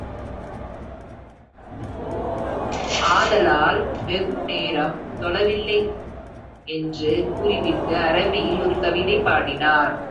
ஆதலால், வெகுநேரம் தொழவில்லை என்று கூறி விட்டு, அரபியில் ஒரு கவிதை பாடினார்.